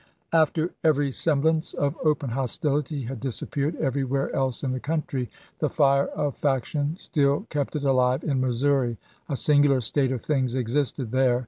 After every semblance of open hostility had dis appeared everywhere else in the country the fire of 368 ABRAHAM LINCOLN chap. xvi. faction still kept it alive in Missouri. A singular state of things existed there.